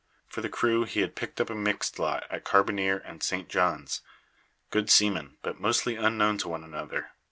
For the crew he had picked up a mixed lot at Carbonear and St. John's good seamen, but mostly unknown to one another.